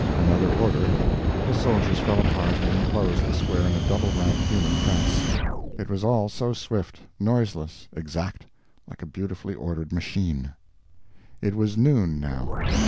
Another order, the soldiers fell apart and enclosed the square in a double ranked human fence. It was all so swift, noiseless, exact—like a beautifully ordered machine. It was noon, now.